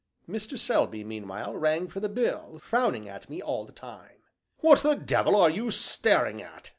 Mr. Selby meanwhile rang for the bill, frowning at me all the time. "What the devil are you staring at?"